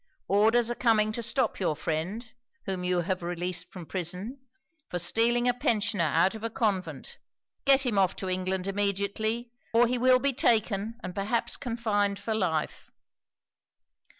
Orders are coming to stop your friend, whom you have released from prison, for stealing a pensioner out of a convent. Get him off to England immediately, or he will be taken, and perhaps confined for life."